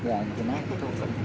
ya semakin naik